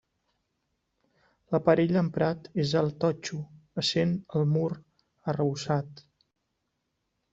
L'aparell emprat és el totxo, essent el mur arrebossat.